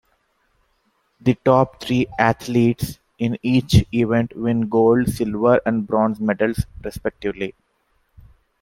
The top three athletes in each event win gold, silver and bronze medals, respectively.